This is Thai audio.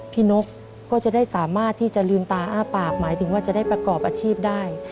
นกก็จะได้สามารถที่จะลืมตาอ้าปากหมายถึงว่าจะได้ประกอบอาชีพได้